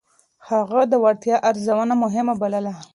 هغه د وړتيا ارزونه مهمه بلله.